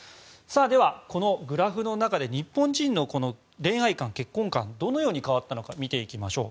では、このグラフの中で日本人の恋愛観・結婚観どのように変わったのか見ていきましょう。